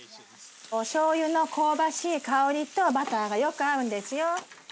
おしょうゆの香ばしい香りとバターがよく合うんですよ。